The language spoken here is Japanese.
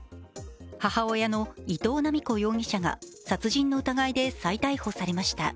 母親の伊藤七美子容疑者が殺人の疑いで再逮捕されました。